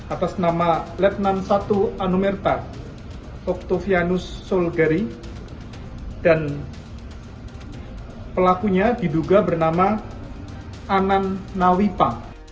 atas nama letnan satu anumerta oktovianus solgari dan pelakunya diduga bernama anan nawipang